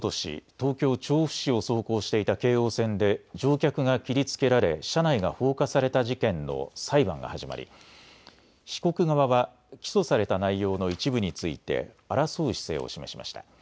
東京調布市を走行していた京王線で乗客が切りつけられ車内が放火された事件の裁判が始まり被告側は起訴された内容の一部について争う姿勢を示しました。